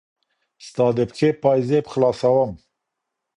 ستا د پښې پايزيب خلاصوم